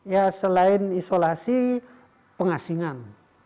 ya selain isolasi pengasingan